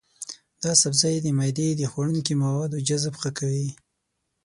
دا سبزی د معدې د خوړنکي موادو جذب ښه کوي.